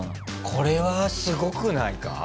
これはすごくないか？